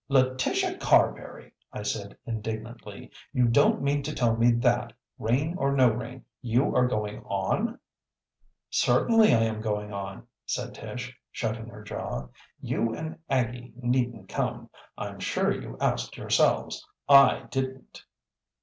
"Letitia Carberry!" I said indignantly. "You don't mean to tell me that, rain or no rain, you are going on?" "Certainly I am going on," said Tish, shutting her jaw. "You and Aggie needn't come. I'm sure you asked yourselves; I didn't."